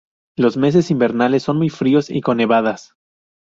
Los meses invernales son muy fríos, y con nevadas.